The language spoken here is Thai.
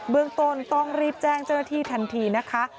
เรื่องต้นต้องรีบแจ้งเจ้าหน้าที่ทันทีนะคะ